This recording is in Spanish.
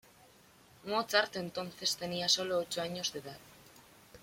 Mozart entonces tenía sólo ocho años de edad.